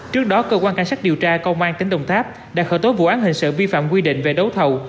trước đó cơ quan cảnh sát điều tra công an tỉnh đồng tháp đã khởi tố vụ án hình sự vi phạm quy định về đấu thầu